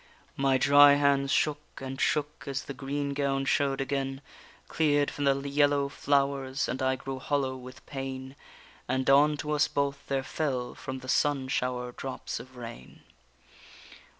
_ My dry hands shook and shook as the green gown show'd again, Clear'd from the yellow flowers, and I grew hollow with pain, And on to us both there fell from the sun shower drops of rain.